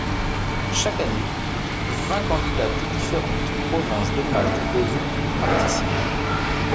Chaque année, vingt candidates des différentes provinces de Malte et Gozo participent.